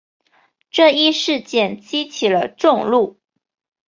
这一事件激起了众怒。